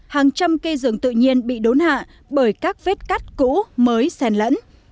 hàng trăm cây rừng tự nhiên bị đốn hạ bởi các vết cắt cũ mới sen lẫn